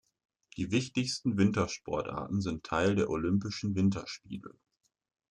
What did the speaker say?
Die wichtigsten Wintersportarten sind Teil der Olympischen Winterspiele.